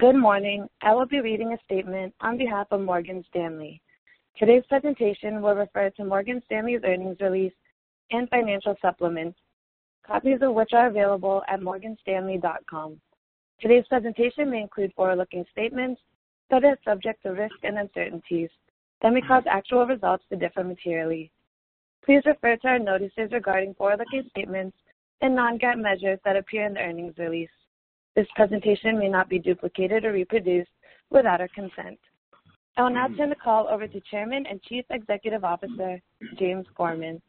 Good morning. I will be reading a statement on behalf of Morgan Stanley. Today's presentation will refer to Morgan Stanley's earnings release and financial supplements, copies of which are available at morganstanley.com. Today's presentation may include forward-looking statements that are subject to risks and uncertainties that may cause actual results to differ materially. Please refer to our notices regarding forward-looking statements and non-GAAP measures that appear in the earnings release. This presentation may not be duplicated or reproduced without our consent. I will now turn the call over to Chairman and Chief Executive Officer, James Gorman.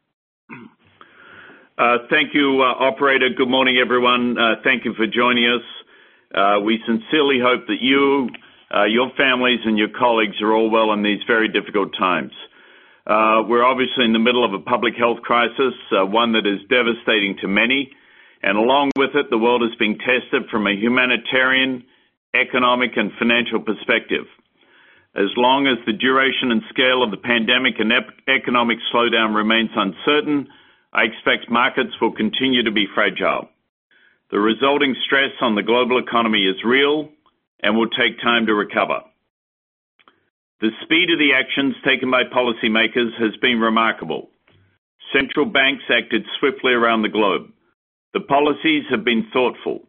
Thank you, operator. Good morning, everyone. Thank you for joining us. We sincerely hope that you, your families, and your colleagues are all well in these very difficult times. We're obviously in the middle of a public health crisis, one that is devastating to many. Along with it, the world is being tested from a humanitarian, economic, and financial perspective. As long as the duration and scale of the pandemic and economic slowdown remains uncertain, I expect markets will continue to be fragile. The resulting stress on the global economy is real and will take time to recover. The speed of the actions taken by policymakers has been remarkable. Central banks acted swiftly around the globe. The policies have been thoughtful.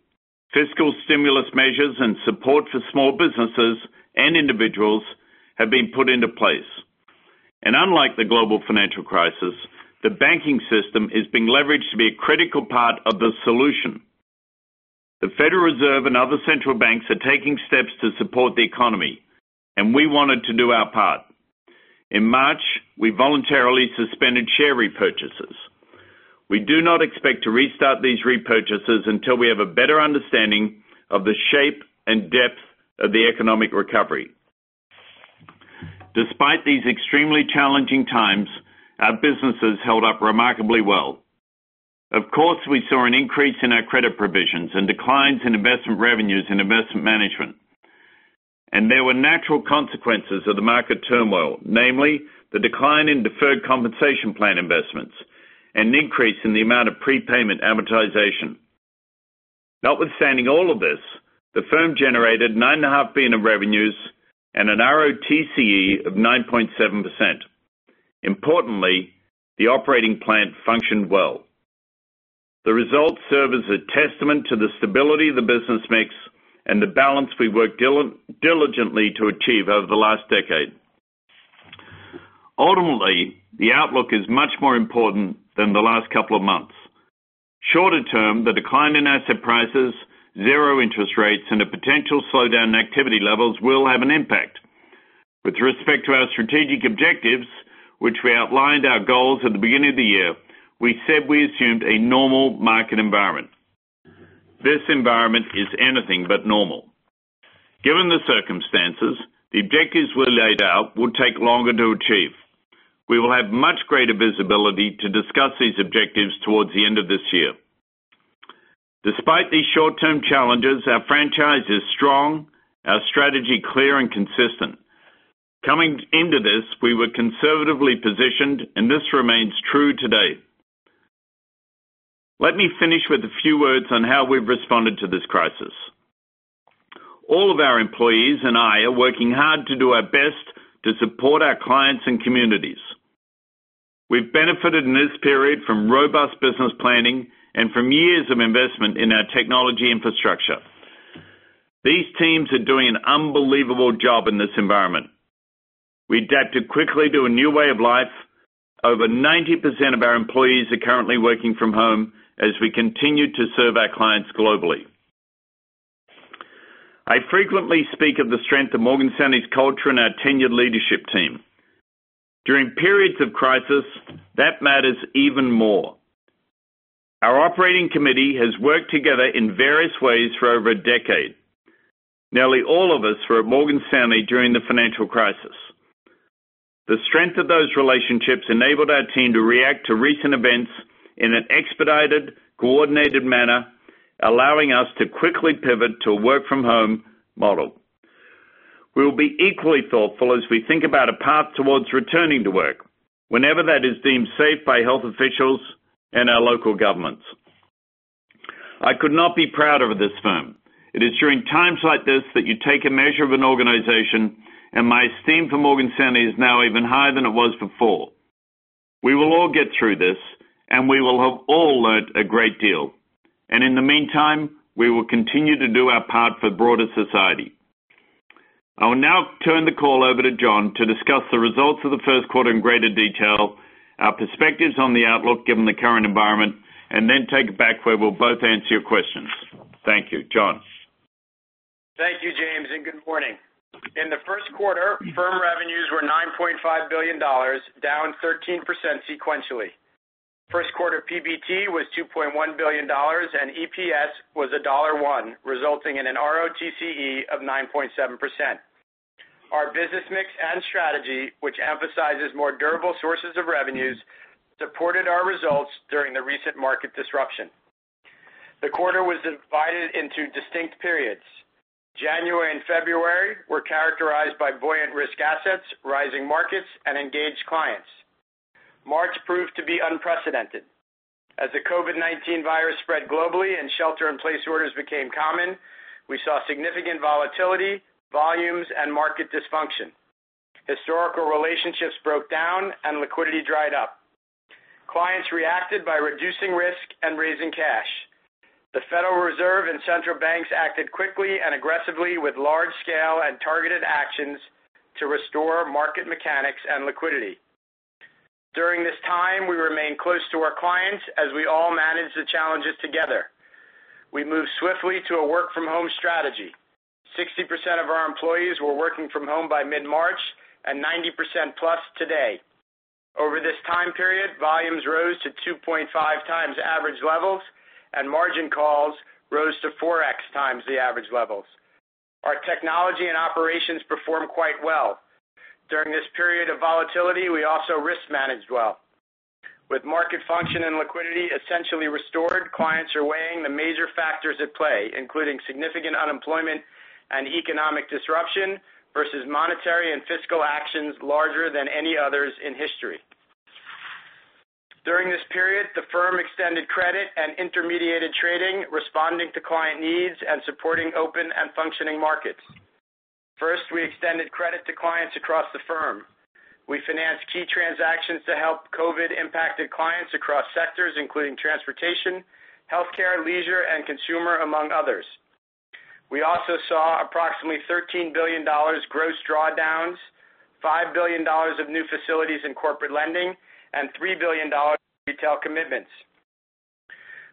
Fiscal stimulus measures and support for small businesses and individuals have been put into place. Unlike the global financial crisis, the banking system is being leveraged to be a critical part of the solution. The Federal Reserve and other central banks are taking steps to support the economy, and we wanted to do our part. In March, we voluntarily suspended share repurchases. We do not expect to restart these repurchases until we have a better understanding of the shape and depth of the economic recovery. Despite these extremely challenging times, our businesses held up remarkably well. Of course, we saw an increase in our credit provisions and declines in investment revenues in investment management. There were natural consequences of the market turmoil, namely, the decline in deferred compensation plan investments, an increase in the amount of prepayment amortization. Notwithstanding all of this, the firm generated $9.5 billion of revenues and an ROTCE of 9.7%. Importantly, the operating plan functioned well. The results serve as a testament to the stability of the business mix and the balance we worked diligently to achieve over the last decade. Ultimately, the outlook is much more important than the last couple of months. Shorter term, the decline in asset prices, zero interest rates, and a potential slowdown in activity levels will have an impact. With respect to our strategic objectives, which we outlined our goals at the beginning of the year, we said we assumed a normal market environment. This environment is anything but normal. Given the circumstances, the objectives we laid out will take longer to achieve. We will have much greater visibility to discuss these objectives towards the end of this year. Despite these short-term challenges, our franchise is strong, our strategy clear and consistent. Coming into this, we were conservatively positioned, and this remains true today. Let me finish with a few words on how we've responded to this crisis. All of our employees and I are working hard to do our best to support our clients and communities. We've benefited in this period from robust business planning and from years of investment in our technology infrastructure. These teams are doing an unbelievable job in this environment. We adapted quickly to a new way of life. Over 90% of our employees are currently working from home as we continue to serve our clients globally. I frequently speak of the strength of Morgan Stanley's culture and our tenured leadership team. During periods of crisis, that matters even more. Our operating committee has worked together in various ways for over a decade. Nearly all of us were at Morgan Stanley during the financial crisis. The strength of those relationships enabled our team to react to recent events in an expedited, coordinated manner, allowing us to quickly pivot to a work from home model. We will be equally thoughtful as we think about a path towards returning to work, whenever that is deemed safe by health officials and our local governments. I could not be prouder of this firm. It is during times like this that you take a measure of an organization, and my esteem for Morgan Stanley is now even higher than it was before. We will all get through this, and we will have all learned a great deal. In the meantime, we will continue to do our part for the broader society. I will now turn the call over to Jon to discuss the results of the first quarter in greater detail, our perspectives on the outlook, given the current environment, and then take it back where we'll both answer your questions. Thank you. Jon. Thank you, James, good morning. In the first quarter, firm revenues were $9.5 billion, down 13% sequentially. First quarter PBT was $2.1 billion, and EPS was $1.1, resulting in an ROTCE of 9.7%. Our business mix and strategy, which emphasizes more durable sources of revenues, supported our results during the recent market disruption. The quarter was divided into distinct periods. January and February were characterized by buoyant risk assets, rising markets, and engaged clients. March proved to be unprecedented. As the COVID-19 virus spread globally and shelter-in-place orders became common, we saw significant volatility, volumes, and market dysfunction. Historical relationships broke down and liquidity dried up. Clients reacted by reducing risk and raising cash. The Federal Reserve and central banks acted quickly and aggressively with large-scale and targeted actions to restore market mechanics and liquidity. During this time, we remained close to our clients as we all managed the challenges together. We moved swiftly to a work-from-home strategy. 60% of our employees were working from home by mid-March, and 90% plus today. Over this time period, volumes rose to 2.5 times average levels, and margin calls rose to 4X times the average levels. Our technology and operations performed quite well. During this period of volatility, we also risk managed well. With market function and liquidity essentially restored, clients are weighing the major factors at play, including significant unemployment and economic disruption versus monetary and fiscal actions larger than any others in history. During this period, the firm extended credit and intermediated trading, responding to client needs and supporting open and functioning markets. First, we extended credit to clients across the firm. We financed key transactions to help COVID-19-impacted clients across sectors including transportation, healthcare, leisure, and consumer, among others. We also saw approximately $13 billion gross drawdowns, $5 billion of new facilities in corporate lending, and $3 billion in retail commitments.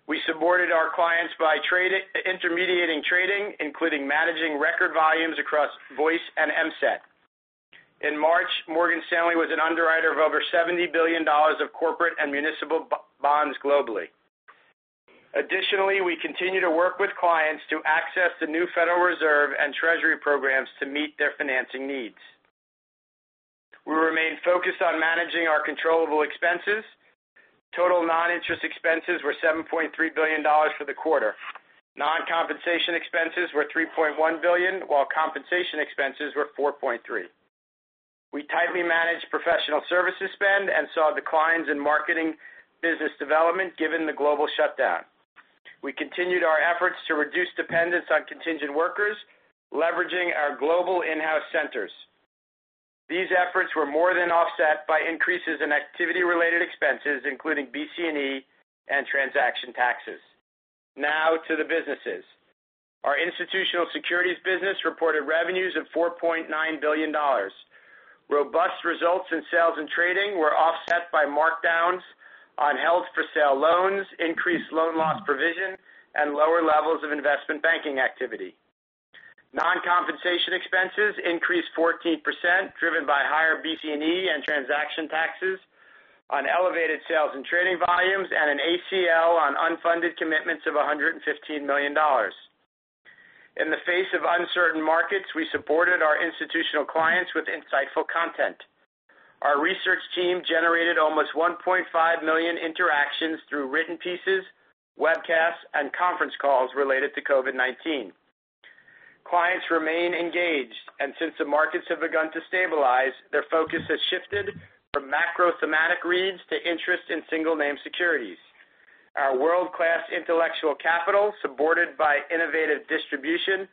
We supported our clients by intermediating trading, including managing record volumes across Voice and MSAT. In March, Morgan Stanley was an underwriter of over $70 billion of corporate and municipal bonds globally. Additionally, we continue to work with clients to access the new Federal Reserve and Treasury programs to meet their financing needs. We remain focused on managing our controllable expenses. Total non-interest expenses were $7.3 billion for the quarter. Non-compensation expenses were $3.1 billion, while compensation expenses were $4.3. We tightly managed professional services spend and saw declines in marketing business development given the global shutdown. We continued our efforts to reduce dependence on contingent workers, leveraging our global in-house centers. These efforts were more than offset by increases in activity-related expenses, including BC&E and transaction taxes. Now to the businesses. Our Institutional Securities business reported revenues of $4.9 billion. Robust results in sales and trading were offset by markdowns on held-for-sale loans, increased loan loss provision, and lower levels of investment banking activity. Non-compensation expenses increased 14%, driven by higher BC&E and transaction taxes on elevated sales and trading volumes and an ACL on unfunded commitments of $115 million. In the face of uncertain markets, we supported our institutional clients with insightful content. Our research team generated almost 1.5 million interactions through written pieces, webcasts, and conference calls related to COVID-19. Clients remain engaged, and since the markets have begun to stabilize, their focus has shifted from macro thematic reads to interest in single name securities. Our world-class intellectual capital, supported by innovative distribution,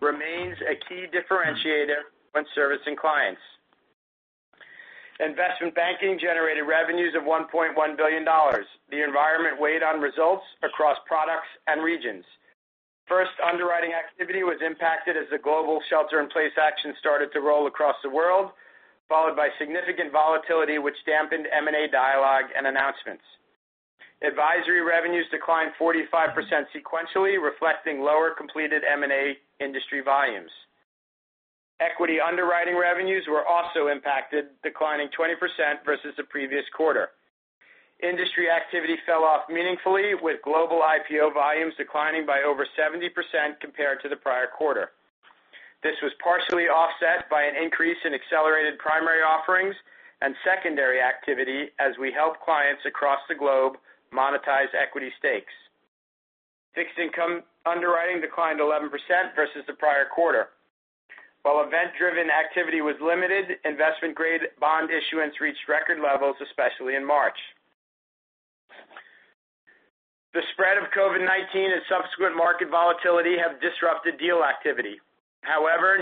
remains a key differentiator when servicing clients. Investment banking generated revenues of $1.1 billion. The environment weighed on results across products and regions. First, underwriting activity was impacted as the global shelter-in-place action started to roll across the world, followed by significant volatility, which dampened M&A dialogue and announcements. Advisory revenues declined 45% sequentially, reflecting lower completed M&A industry volumes. Equity underwriting revenues were also impacted, declining 20% versus the previous quarter. Industry activity fell off meaningfully, with global IPO volumes declining by over 70% compared to the prior quarter. This was partially offset by an increase in accelerated primary offerings and secondary activity as we helped clients across the globe monetize equity stakes. Fixed income underwriting declined 11% versus the prior quarter. While event-driven activity was limited, investment-grade bond issuance reached record levels, especially in March. The spread of COVID-19 and subsequent market volatility have disrupted deal activity.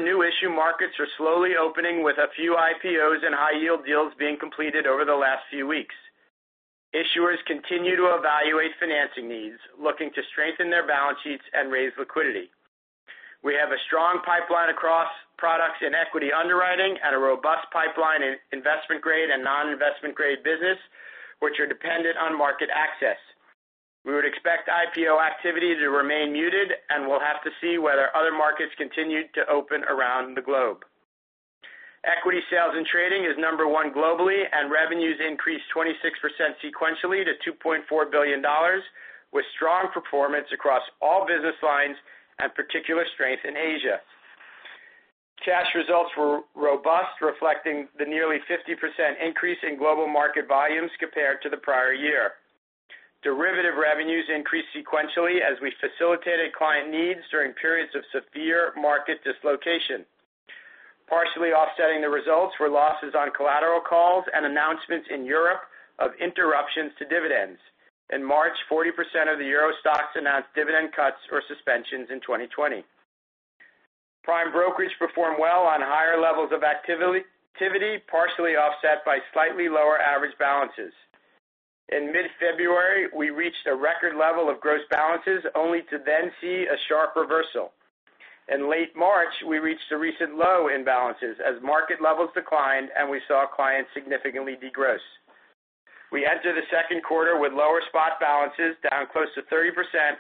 New issue markets are slowly opening with a few IPOs and high-yield deals being completed over the last few weeks. Issuers continue to evaluate financing needs, looking to strengthen their balance sheets and raise liquidity. We have a strong pipeline across products in equity underwriting and a robust pipeline in investment-grade and non-investment-grade business, which are dependent on market access. We would expect IPO activity to remain muted, and we'll have to see whether other markets continue to open around the globe. Equity sales and trading is number one globally, and revenues increased 26% sequentially to $2.4 billion, with strong performance across all business lines and particular strength in Asia. Cash results were robust, reflecting the nearly 50% increase in global market volumes compared to the prior year. Derivative revenues increased sequentially as we facilitated client needs during periods of severe market dislocation. Partially offsetting the results were losses on collateral calls and announcements in Europe of interruptions to dividends. In March, 40% of the EURO STOXX announced dividend cuts or suspensions in 2020. Prime brokerage performed well on higher levels of activity, partially offset by slightly lower average balances. In mid-February, we reached a record level of gross balances, only to then see a sharp reversal. In late March, we reached a recent low in balances as market levels declined, and we saw clients significantly de-gross. We enter the second quarter with lower spot balances, down close to 30%,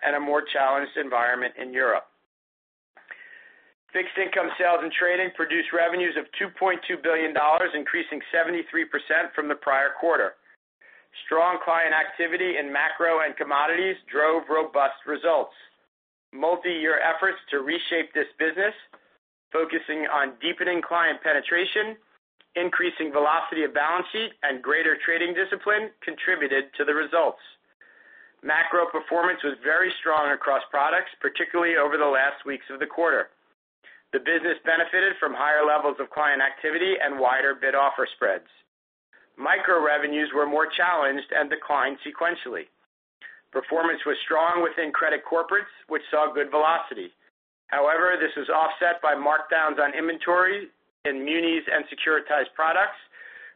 and a more challenged environment in Europe. Fixed income sales and trading produced revenues of $2.2 billion, increasing 73% from the prior quarter. Strong client activity in macro and commodities drove robust results. Multi-year efforts to reshape this business, focusing on deepening client penetration, increasing velocity of balance sheet, and greater trading discipline contributed to the results. Macro performance was very strong across products, particularly over the last weeks of the quarter. The business benefited from higher levels of client activity and wider bid-offer spreads. Micro revenues were more challenged and declined sequentially. Performance was strong within credit corporates, which saw good velocity. This was offset by markdowns on inventory in munis and securitized products,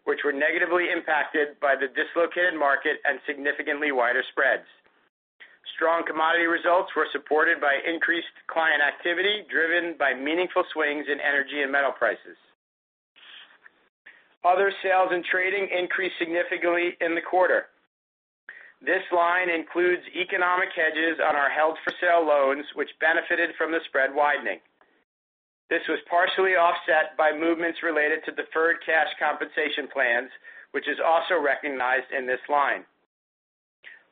which were negatively impacted by the dislocated market and significantly wider spreads. Strong commodity results were supported by increased client activity, driven by meaningful swings in energy and metal prices. Other sales and trading increased significantly in the quarter. This line includes economic hedges on our held-for-sale loans, which benefited from the spread widening. This was partially offset by movements related to deferred cash compensation plans, which is also recognized in this line.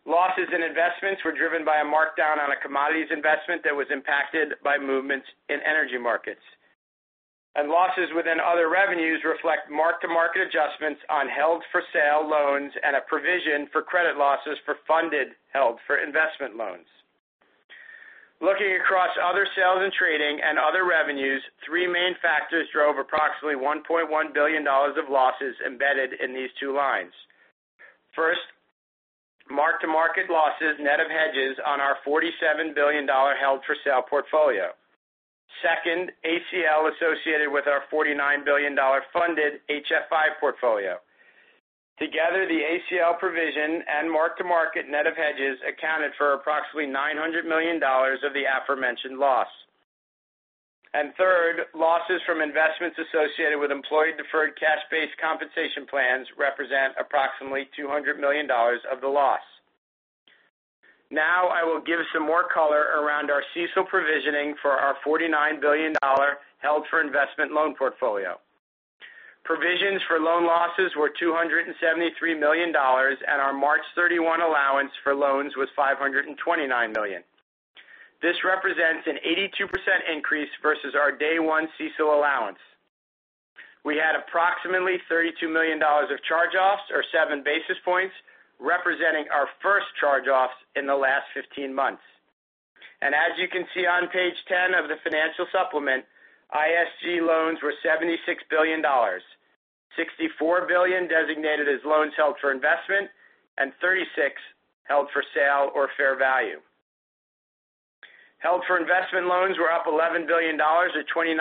Losses in investments were driven by a markdown on a commodities investment that was impacted by movements in energy markets. Losses within other revenues reflect mark-to-market adjustments on held-for-sale loans and a provision for credit losses for funded held-for-investment loans. Looking across other sales and trading and other revenues, three main factors drove approximately $1.1 billion of losses embedded in these two lines. First, mark-to-market losses net of hedges on our $47 billion held-for-sale portfolio. Second, ACL associated with our $49 billion funded HFI portfolio. Together, the ACL provision and mark-to-market net of hedges accounted for approximately $900 million of the aforementioned loss. Third, losses from investments associated with employee deferred cash-based compensation plans represent approximately $200 million of the loss. Now, I will give some more color around our CECL provisioning for our $49 billion held-for-investment loan portfolio. Provisions for loan losses were $273 million, and our March 31 allowance for loans was $529 million. This represents an 82% increase versus our day one CECL allowance. We had approximately $32 million of charge-offs, or seven basis points, representing our first charge-offs in the last 15 months. As you can see on page 10 of the financial supplement, ISG loans were $76 billion. $64 billion designated as loans held for investment and $36 held for sale or fair value. Held-for-investment loans were up $11 billion or 29%,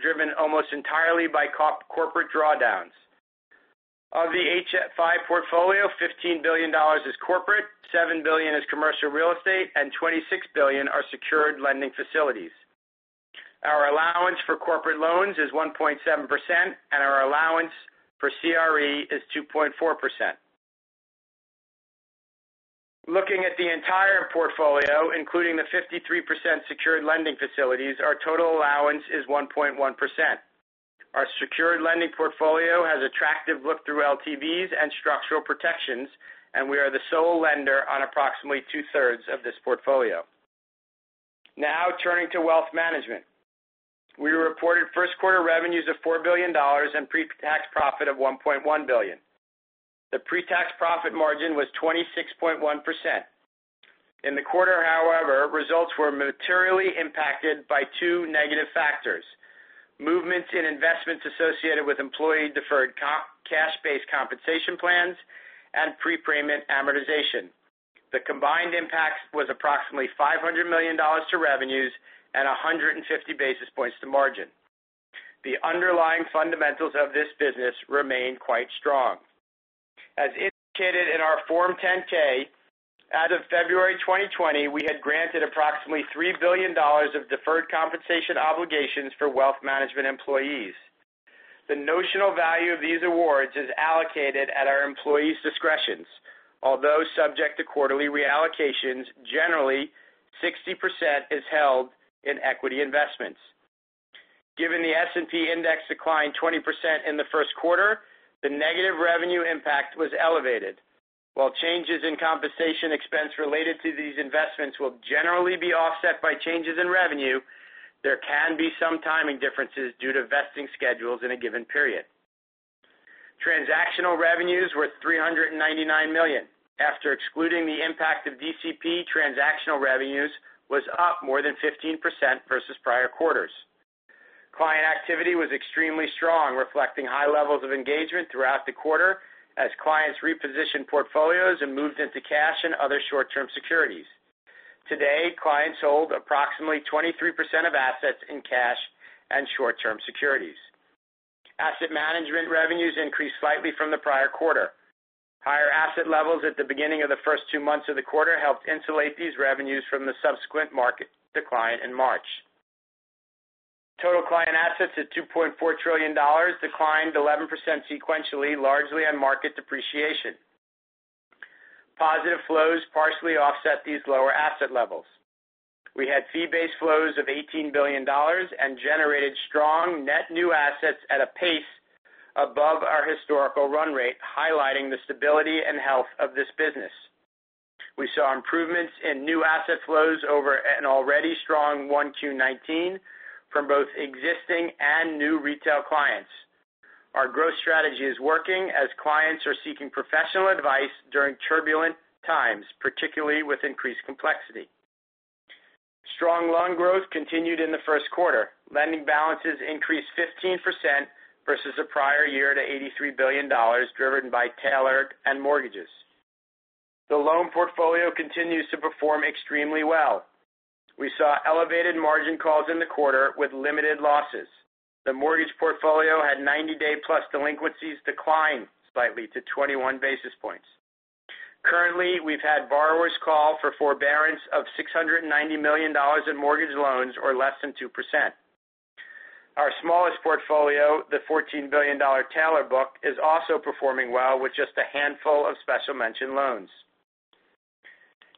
driven almost entirely by corporate drawdowns. Of the HFI portfolio, $15 billion is corporate, $7 billion is commercial real estate, and $26 billion are secured lending facilities. Our allowance for corporate loans is 1.7%, and our allowance for CRE is 2.4%. Looking at the entire portfolio, including the 53% secured lending facilities, our total allowance is 1.1%. Our secured lending portfolio has attractive look-through LTVs and structural protections, and we are the sole lender on approximately two-thirds of this portfolio. Now turning to wealth management. We reported first quarter revenues of $4 billion and pre-tax profit of $1.1 billion. The pre-tax profit margin was 26.1%. In the quarter, however, results were materially impacted by two negative factors. Movements in investments associated with employee deferred cash-based compensation plans and prepayment amortization. The combined impact was approximately $500 million to revenues and 150 basis points to margin. The underlying fundamentals of this business remain quite strong. As indicated in our Form 10-K, as of February 2020, we had granted approximately $3 billion of deferred compensation obligations for wealth management employees. The notional value of these awards is allocated at our employees' discretion. Although subject to quarterly reallocations, generally, 60% is held in equity investments. Given the S&P index declined 20% in the first quarter, the negative revenue impact was elevated. While changes in compensation expense related to these investments will generally be offset by changes in revenue, there can be some timing differences due to vesting schedules in a given period. Transactional revenues were $399 million. After excluding the impact of DCP, transactional revenues was up more than 15% versus prior quarters. Client activity was extremely strong, reflecting high levels of engagement throughout the quarter as clients repositioned portfolios and moved into cash and other short-term securities. To date, clients hold approximately 23% of assets in cash and short-term securities. Asset management revenues increased slightly from the prior quarter. Higher asset levels at the beginning of the first two months of the quarter helped insulate these revenues from the subsequent market decline in March. Total client assets at $2.4 trillion declined 11% sequentially, largely on market depreciation. Positive flows partially offset these lower asset levels. We had fee-based flows of $18 billion and generated strong net new assets at a pace above our historical run rate, highlighting the stability and health of this business. We saw improvements in new asset flows over an already strong 1Q 2019 from both existing and new retail clients. Our growth strategy is working as clients are seeking professional advice during turbulent times, particularly with increased complexity. Strong loan growth continued in the first quarter. Lending balances increased 15% versus the prior year to $83 billion, driven by Tailored Lending and mortgages. The loan portfolio continues to perform extremely well. We saw elevated margin calls in the quarter with limited losses. The mortgage portfolio had 90-day plus delinquencies decline slightly to 21 basis points. Currently, we've had borrowers call for forbearance of $690 million in mortgage loans, or less than 2%. Our smallest portfolio, the $14 billion Tailored Lending book, is also performing well with just a handful of special mention loans.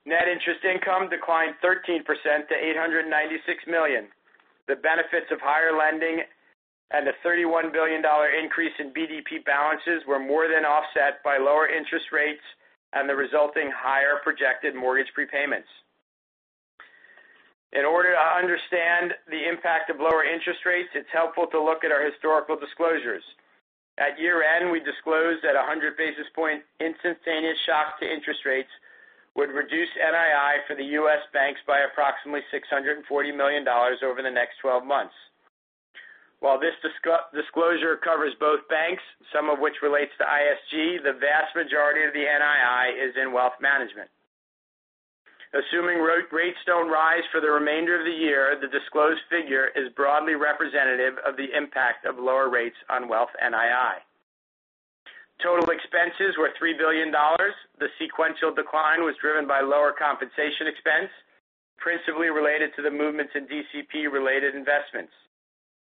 Net interest income declined 13% to $896 million. The benefits of higher lending and the $31 billion increase in BDP balances were more than offset by lower interest rates and the resulting higher projected mortgage prepayments. In order to understand the impact of lower interest rates, it's helpful to look at our historical disclosures. At year-end, we disclosed that 100 basis point instantaneous shock to interest rates would reduce NII for the U.S. banks by approximately $640 million over the next 12 months. While this disclosure covers both banks, some of which relates to ISG, the vast majority of the NII is in wealth management. Assuming rates don't rise for the remainder of the year, the disclosed figure is broadly representative of the impact of lower rates on wealth NII. Total expenses were $3 billion. The sequential decline was driven by lower compensation expense, principally related to the movements in DCP-related investments.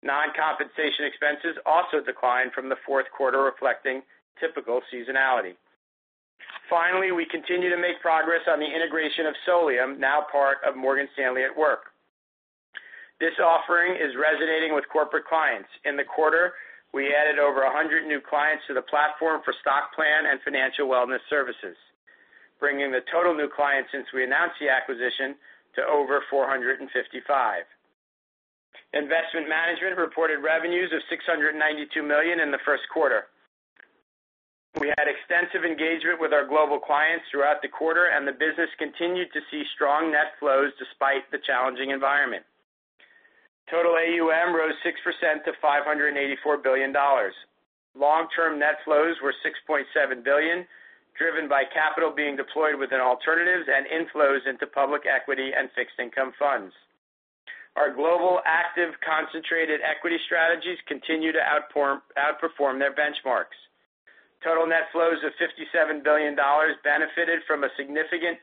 Non-compensation expenses also declined from the fourth quarter, reflecting typical seasonality. Finally, we continue to make progress on the integration of Solium, now part of Morgan Stanley at Work. This offering is resonating with corporate clients. In the quarter, we added over 100 new clients to the platform for stock plan and financial wellness services, bringing the total new clients since we announced the acquisition to over 455. Investment Management reported revenues of $692 million in the first quarter. We had extensive engagement with our global clients throughout the quarter, and the business continued to see strong net flows despite the challenging environment. Total AUM rose 6% to $584 billion. Long-term net flows were $6.7 billion, driven by capital being deployed within alternatives and inflows into public equity and fixed income funds. Our global active concentrated equity strategies continue to outperform their benchmarks. Total net flows of $57 billion benefited from a significant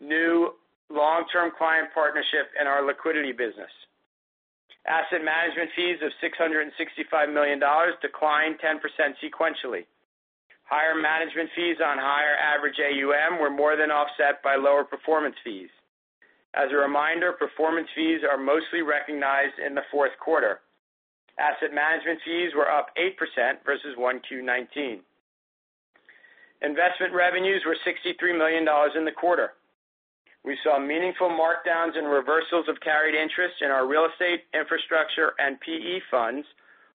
new long-term client partnership in our liquidity business. Asset management fees of $665 million declined 10% sequentially. Higher management fees on higher average AUM were more than offset by lower performance fees. As a reminder, performance fees are mostly recognized in the fourth quarter. Asset management fees were up 8% versus 1Q 2019. Investment revenues were $63 million in the quarter. We saw meaningful markdowns and reversals of carried interest in our real estate, infrastructure, and PE funds,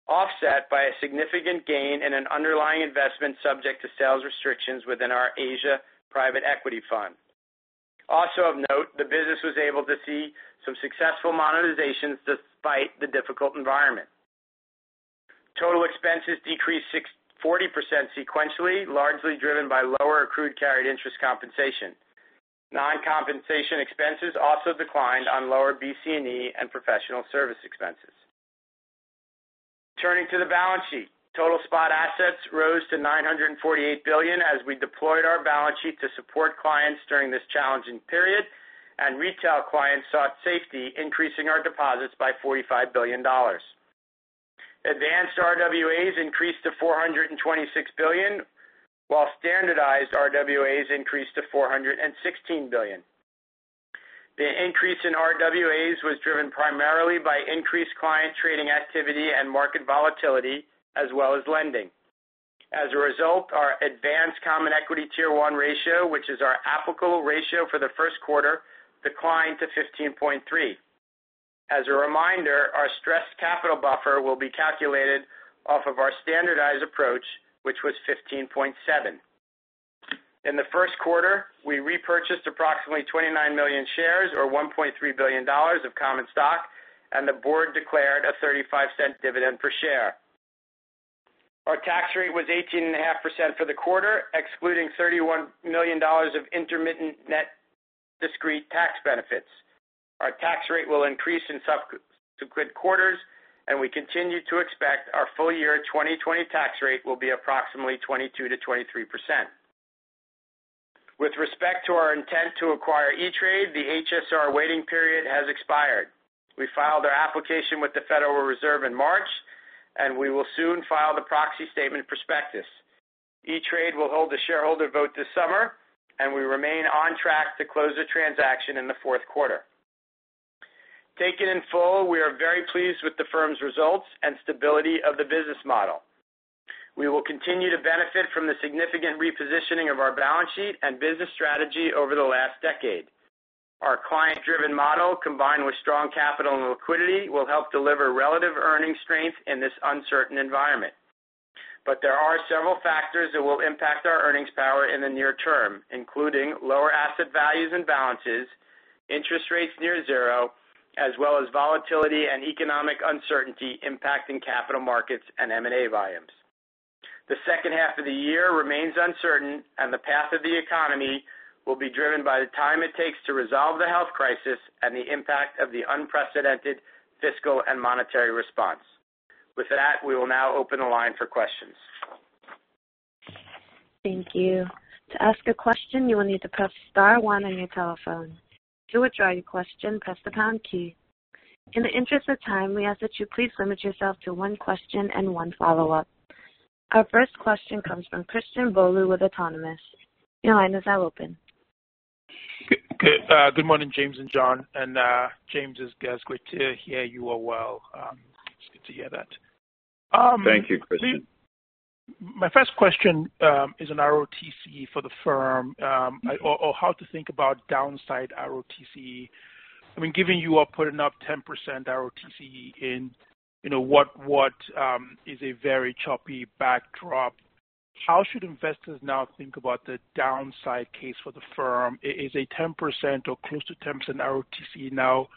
offset by a significant gain in an underlying investment subject to sales restrictions within our Asia private equity fund. Also of note, the business was able to see some successful monetizations despite the difficult environment. Total expenses decreased 40% sequentially, largely driven by lower accrued carried interest compensation. Non-compensation expenses also declined on lower BC&E and professional service expenses. Turning to the balance sheet. Total spot assets rose to $948 billion as we deployed our balance sheet to support clients during this challenging period, and retail clients sought safety, increasing our deposits by $45 billion. Advanced RWAs increased to $426 billion, while standardized RWAs increased to $416 billion. The increase in RWAs was driven primarily by increased client trading activity and market volatility, as well as lending. As a result, our advanced common equity Tier 1 ratio, which is our applicable ratio for the first quarter, declined to 15.3. As a reminder, our stressed capital buffer will be calculated off of our standardized approach, which was 15.7. In the first quarter, we repurchased approximately 29 million shares or $1.3 billion of common stock, and the board declared a $0.35 dividend per share. Our tax rate was 18.5% for the quarter, excluding $31 million of intermittent net discrete tax benefits. Our tax rate will increase in subsequent quarters. We continue to expect our full year 2020 tax rate will be approximately 22%-23%. With respect to our intent to acquire E*TRADE, the HSR waiting period has expired. We filed our application with the Federal Reserve in March. We will soon file the proxy statement prospectus. E*TRADE will hold the shareholder vote this summer. We remain on track to close the transaction in the fourth quarter. Taken in full, we are very pleased with the firm's results and stability of the business model. We will continue to benefit from the significant repositioning of our balance sheet and business strategy over the last decade. Our client-driven model, combined with strong capital and liquidity, will help deliver relative earnings strength in this uncertain environment. There are several factors that will impact our earnings power in the near term, including lower asset values and balances, interest rates near zero, as well as volatility and economic uncertainty impacting capital markets and M&A volumes. The second half of the year remains uncertain, and the path of the economy will be driven by the time it takes to resolve the health crisis and the impact of the unprecedented fiscal and monetary response. With that, we will now open the line for questions. Thank you. To ask a question, you will need to press star one on your telephone. To withdraw your question, press the pound key. In the interest of time, we ask that you please limit yourself to one question and one follow-up. Our first question comes from Christian Bolu with Autonomous. Your line is now open. Good morning, James and Jon. James, it's great to hear you are well. It's good to hear that. Thank you, Christian. My first question is an ROTCE for the firm, or how to think about downside ROTCE. Given you are putting up 10% ROTCE in what is a very choppy backdrop, how should investors now think about the downside case for the firm? Is a 10% or close to 10% ROTCE now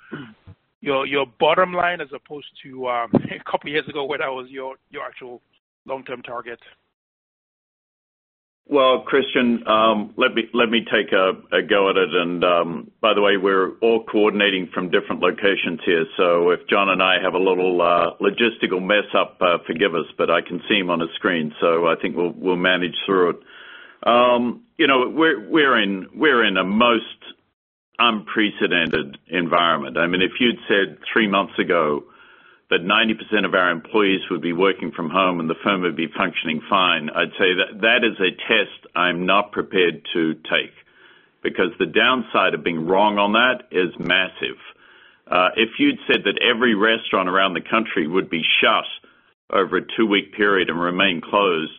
your bottom line as opposed to a couple of years ago when that was your actual long-term target? Well, Christian, let me take a go at it. By the way, we're all coordinating from different locations here. If Jon and I have a little logistical mess-up, forgive us, but I can see him on a screen, so I think we'll manage through it. We're in a most unprecedented environment. If you'd said three months ago that 90% of our employees would be working from home and the firm would be functioning fine, I'd say that that is a test I'm not prepared to take. Because the downside of being wrong on that is massive. If you'd said that every restaurant around the country would be shut over a two-week period and remain closed,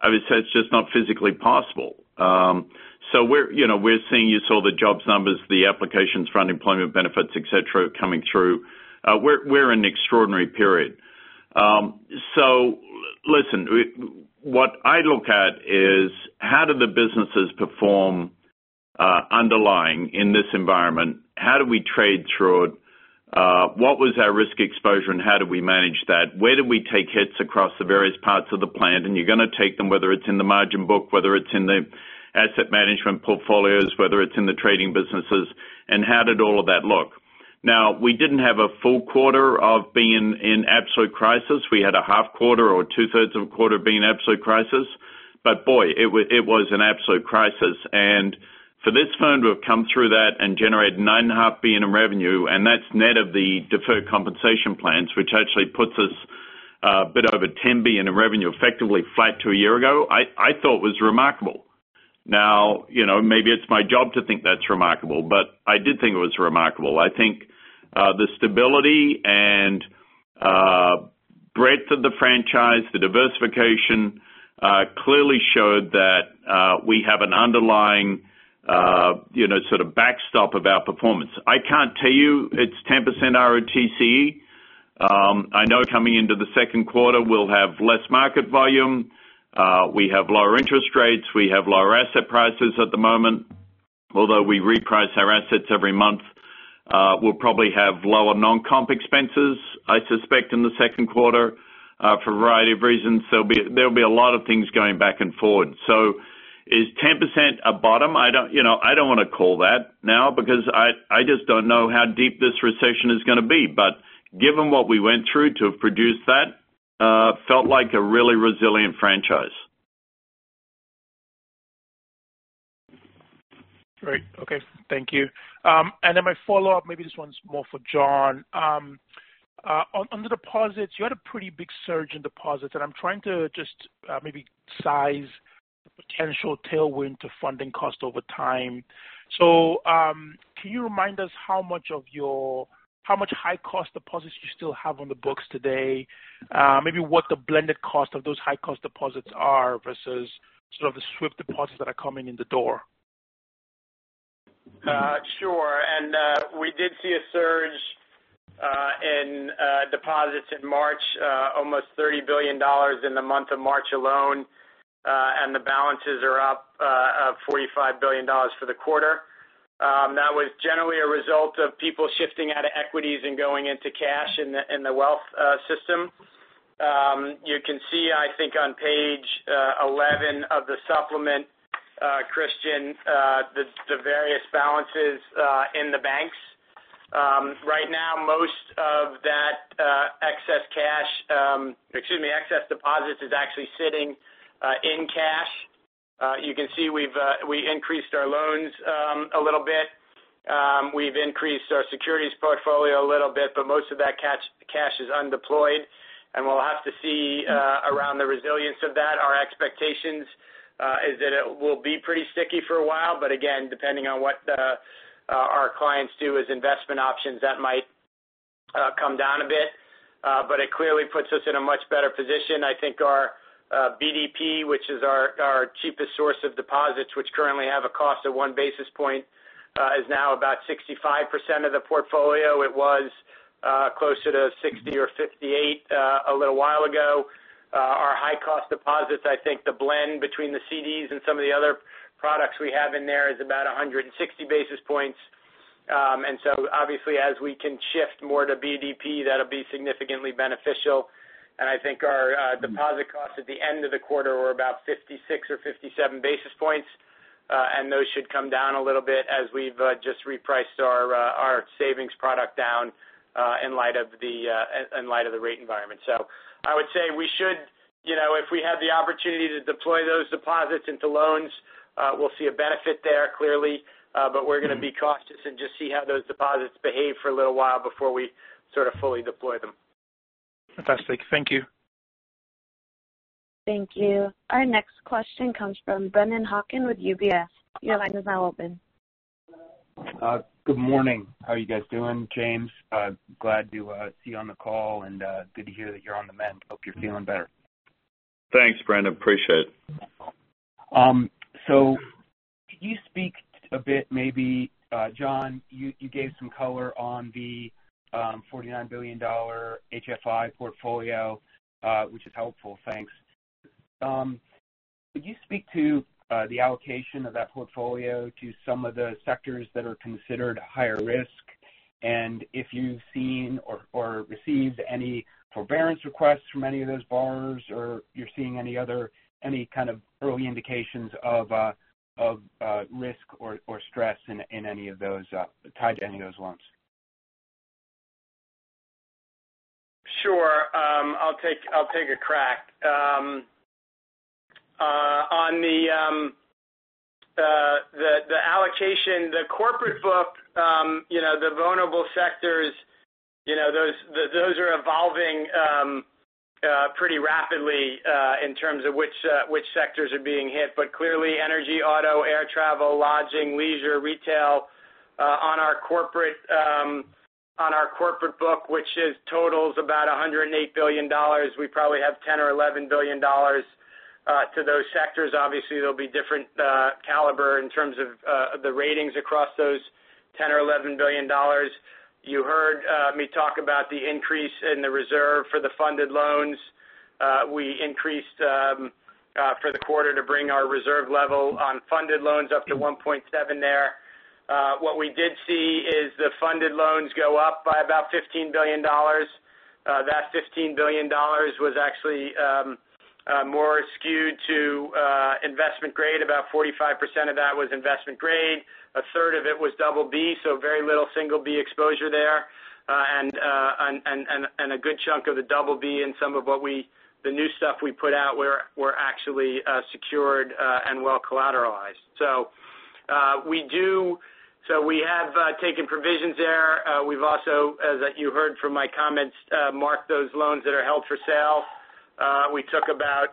I would say it's just not physically possible. We're seeing, you saw the jobs numbers, the applications for unemployment benefits, et cetera, coming through. We're in an extraordinary period. Listen, what I look at is how do the businesses perform underlying in this environment? How do we trade through it? What was our risk exposure, and how do we manage that? Where do we take hits across the various parts of the platform? You're going to take them, whether it's in the margin book, whether it's in the asset management portfolios, whether it's in the trading businesses, and how did all of that look? We didn't have a full quarter of being in absolute crisis. We had a half quarter or two-thirds of a quarter being absolute crisis. Boy, it was an absolute crisis. For this firm to have come through that and generate $9.5 billion in revenue, and that's net of the deferred compensation plans, which actually puts us a bit over $10 billion in revenue, effectively flat to a year ago, I thought was remarkable. Now, maybe it's my job to think that's remarkable, but I did think it was remarkable. I think the stability and breadth of the franchise, the diversification clearly showed that we have an underlying backstop of our performance. I can't tell you it's 10% ROTCE. I know coming into the second quarter, we'll have less market volume. We have lower interest rates. We have lower asset prices at the moment. We reprice our assets every month, we'll probably have lower non-comp expenses, I suspect, in the second quarter for a variety of reasons. There'll be a lot of things going back and forth. Is 10% a bottom? I don't want to call that now because I just don't know how deep this recession is going to be. Given what we went through to have produced that, felt like a really resilient franchise. Great. Okay. Thank you. My follow-up, maybe this one's more for Jon. On the deposits, you had a pretty big surge in deposits, and I'm trying to just maybe size the potential tailwind to funding cost over time. Can you remind us how much high cost deposits you still have on the books today? Maybe what the blended cost of those high cost deposits are versus sort of the swift deposits that are coming in the door. Sure. We did see a surge in deposits in March, almost $30 billion in the month of March alone. The balances are up $45 billion for the quarter. That was generally a result of people shifting out of equities and going into cash in the wealth system. You can see, I think on page 11 of the supplement, Christian, the various balances in the banks. Right now, most of that excess deposits is actually sitting in cash. You can see we increased our loans a little bit. We've increased our securities portfolio a little bit, but most of that cash is undeployed, and we'll have to see around the resilience of that. Our expectations is that it will be pretty sticky for a while, but again, depending on what our clients do as investment options, that might come down a bit. It clearly puts us in a much better position. I think our BDP, which is our cheapest source of deposits, which currently have a cost of one basis point is now about 65% of the portfolio. It was closer to 60 or 58 a little while ago. Our high cost deposits, I think the blend between the CDs and some of the other products we have in there is about 160 basis points. Obviously as we can shift more to BDP, that'll be significantly beneficial. I think our deposit costs at the end of the quarter were about 56 or 57 basis points. Those should come down a little bit as we've just repriced our savings product down in light of the rate environment. I would say if we have the opportunity to deploy those deposits into loans, we'll see a benefit there clearly. We're going to be cautious and just see how those deposits behave for a little while before we sort of fully deploy them. Fantastic. Thank you. Thank you. Our next question comes from Brennan Hawken with UBS. Your line is now open. Good morning. How are you guys doing? James, glad to see you on the call and good to hear that you're on the mend. Hope you're feeling better. Thanks, Brennan, appreciate it. Could you speak a bit Jon, you gave some color on the $49 billion HFI portfolio, which is helpful, thanks. Could you speak to the allocation of that portfolio to some of the sectors that are considered higher risk? If you've seen or received any forbearance requests from any of those borrowers, or you're seeing any kind of early indications of risk or stress tied to any of those loans. Sure. I'll take a crack. On the allocation, the corporate book, the vulnerable sectors, those are evolving pretty rapidly in terms of which sectors are being hit. Clearly energy, auto, air travel, lodging, leisure, retail on our corporate book, which totals about $108 billion. We probably have $10 or $11 billion to those sectors. Obviously, there'll be different caliber in terms of the ratings across those $10 or $11 billion. You heard me talk about the increase in the reserve for the funded loans. We increased for the quarter to bring our reserve level on funded loans up to 1.7 there. What we did see is the funded loans go up by about $15 billion. That $15 billion was actually more skewed to investment grade. About 45% of that was investment grade. A third of it was double B, so very little single B exposure there. A good chunk of the double B and some of the new stuff we put out were actually secured and well collateralized. We have taken provisions there. We've also, as you heard from my comments, marked those loans that are held for sale. We took about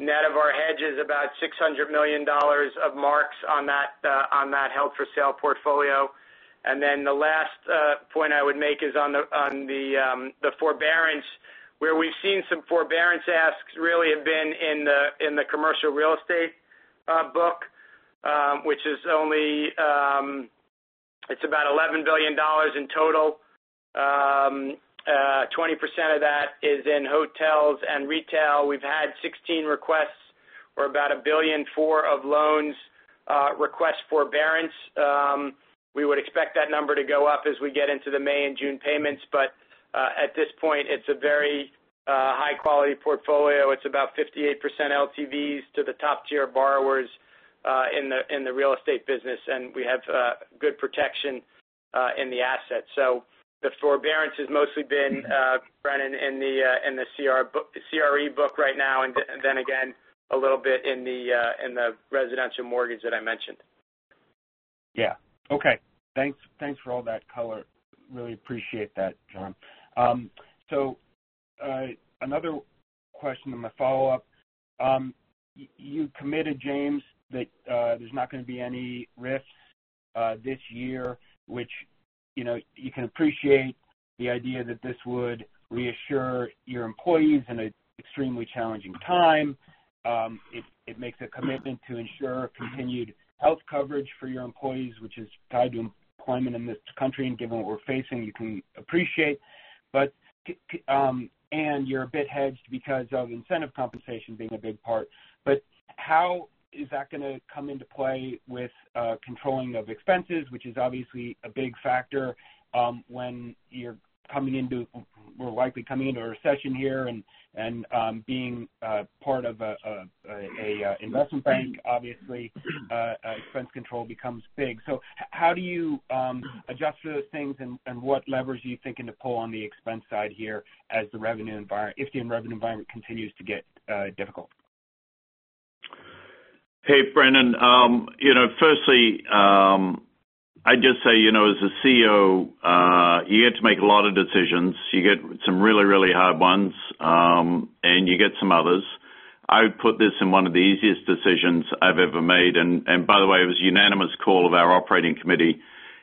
net of our hedges about $600 million of marks on that held for sale portfolio. The last point I would make is on the forbearance, where we've seen some forbearance asks really have been in the commercial real estate book. Which is only about $11 billion in total. 20% of that is in hotels and retail. We've had 16 requests for about $1.4 billion of loans request forbearance. We would expect that number to go up as we get into the May and June payments. At this point, it's a very high-quality portfolio. It's about 58% LTVs to the top tier borrowers in the real estate business. We have good protection in the asset. The forbearance has mostly been, Brennan, in the CRE book right now and then again, a little bit in the residential mortgage that I mentioned. Yeah. Okay. Thanks for all that color. Really appreciate that, Jon. Another question in my follow-up. You committed, James, that there's not going to be any risks this year, which you can appreciate the idea that this would reassure your employees in an extremely challenging time. It makes a commitment to ensure continued health coverage for your employees, which is tied to employment in this country. Given what we're facing, you can appreciate. You're a bit hedged because of incentive compensation being a big part. How is that going to come into play with controlling of expenses, which is obviously a big factor when we're likely coming into a recession here and being part of an investment bank, obviously, expense control becomes big. How do you adjust for those things, and what levers are you thinking to pull on the expense side here if the revenue environment continues to get difficult? Hey, Brennan. I'd just say, as a CEO, you get to make a lot of decisions. You get some really hard ones, you get some others. I would put this in one of the easiest decisions I've ever made. By the way, it was a unanimous call of our operating committee.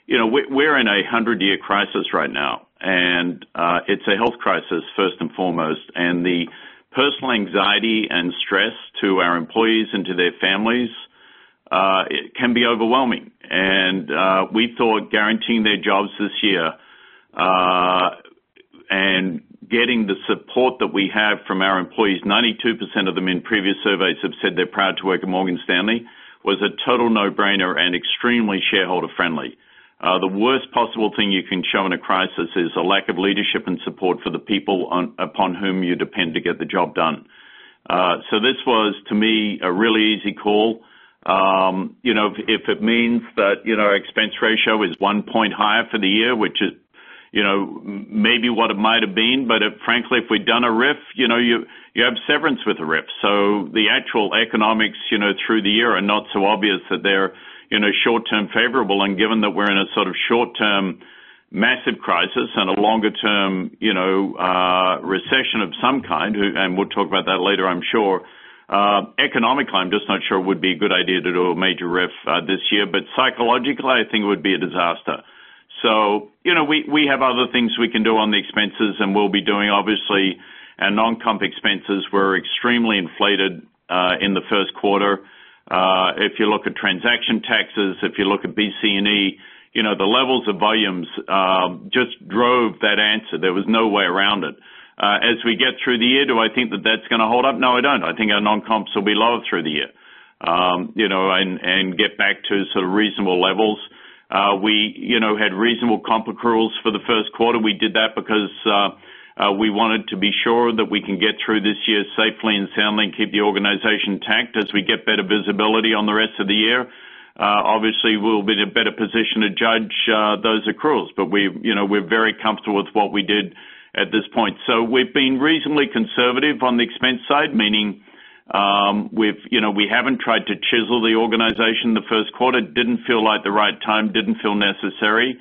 We're in a 100-year crisis right now, it's a health crisis, first and foremost, the personal anxiety and stress to our employees and to their families can be overwhelming. We thought guaranteeing their jobs this year and getting the support that we have from our employees, 92% of them in previous surveys have said they're proud to work at Morgan Stanley, was a total no-brainer and extremely shareholder-friendly. The worst possible thing you can show in a crisis is a lack of leadership and support for the people upon whom you depend to get the job done. This was, to me, a really easy call. If it means that our expense ratio is one point higher for the year, which is maybe what it might have been. Frankly, if we'd done a RIF, you have severance with a RIF. The actual economics through the year are not so obvious that they're short-term favorable. Given that we're in a sort of short-term massive crisis and a longer-term recession of some kind, and we'll talk about that later, I'm sure. Economically, I'm just not sure it would be a good idea to do a major RIF this year. Psychologically, I think it would be a disaster. We have other things we can do on the expenses and we'll be doing, obviously. Our non-comp expenses were extremely inflated in the first quarter. If you look at transaction taxes, if you look at BC&E, the levels of volumes just drove that answer. There was no way around it. As we get through the year, do I think that that's going to hold up? No, I don't. I think our non-comps will be lower through the year and get back to sort of reasonable levels. We had reasonable comp accruals for the first quarter. We did that because we wanted to be sure that we can get through this year safely and soundly and keep the organization tacked as we get better visibility on the rest of the year. Obviously, we'll be in a better position to judge those accruals. We're very comfortable with what we did at this point. We've been reasonably conservative on the expense side, meaning we haven't tried to chisel the organization the first quarter. Didn't feel like the right time, didn't feel necessary.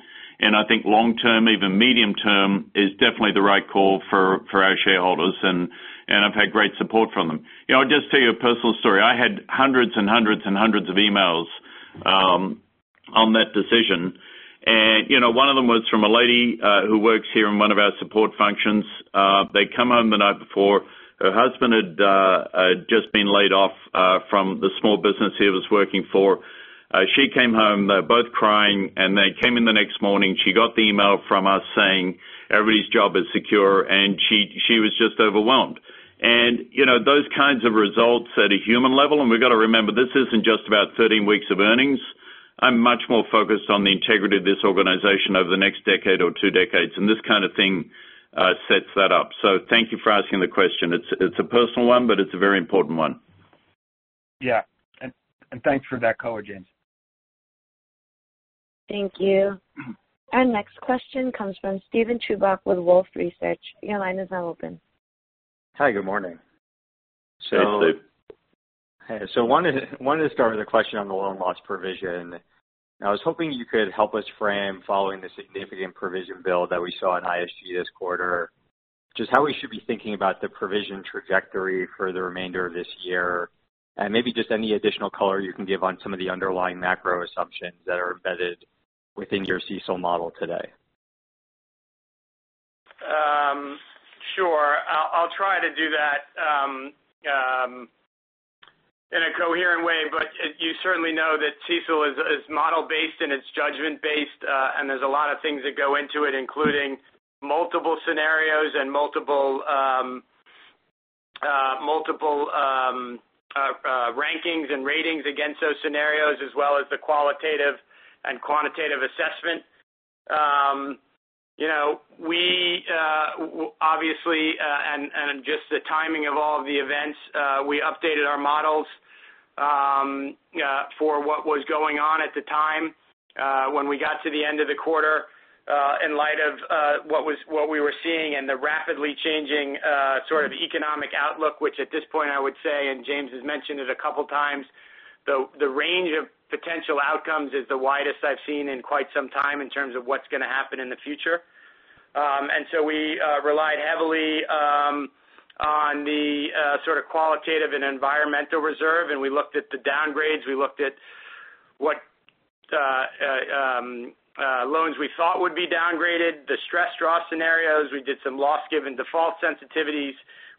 I think long-term, even medium-term, is definitely the right call for our shareholders. I've had great support from them. I'll just tell you a personal story. I had hundreds and hundreds of emails on that decision. One of them was from a lady who works here in one of our support functions. They'd come home the night before. Her husband had just been laid off from the small business he was working for. She came home. They were both crying, and they came in the next morning. She got the email from us saying everybody's job is secure, and she was just overwhelmed. Those kinds of results at a human level, and we've got to remember, this isn't just about 13 weeks of earnings. I'm much more focused on the integrity of this organization over the next decade or two decades, and this kind of thing sets that up. Thank you for asking the question. It's a personal one, but it's a very important one. Yeah. Thanks for that color, James. Thank you. Our next question comes from Steven Chubak with Wolfe Research. Your line is now open. Hi, good morning. Hey, Steven. Hey. Wanted to start with a question on the loan loss provision. I was hoping you could help us frame following the significant provision build that we saw in ISG this quarter. Just how we should be thinking about the provision trajectory for the remainder of this year, and maybe just any additional color you can give on some of the underlying macro assumptions that are embedded within your CECL model today. Sure. I'll try to do that in a coherent way. You certainly know that CECL is model-based and it's judgment-based. There's a lot of things that go into it, including multiple scenarios and multiple rankings and ratings against those scenarios, as well as the qualitative and quantitative assessment. We obviously and just the timing of all of the events, we updated our models for what was going on at the time. When we got to the end of the quarter, in light of what we were seeing and the rapidly changing sort of economic outlook, which at this point I would say, and James has mentioned it a couple times, the range of potential outcomes is the widest I've seen in quite some time in terms of what's going to happen in the future. We relied heavily on the qualitative and environmental reserve, and we looked at the downgrades. We looked at what loans we thought would be downgraded, the stress draw scenarios. We did some loss given default sensitivities.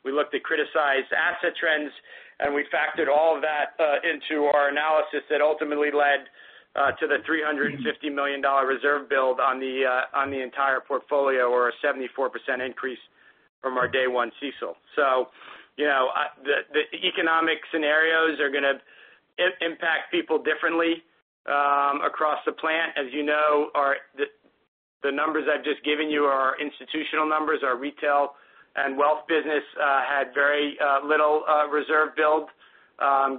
We looked at criticized asset trends, and we factored all of that into our analysis that ultimately led to the $350 million reserve build on the entire portfolio, or a 74% increase from our day one CECL. The economic scenarios are going to impact people differently across the board. As you know, the numbers I've just given you are our institutional numbers. Our retail and wealth business had very little reserve build,